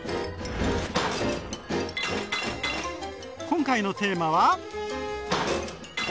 今回のテーマは。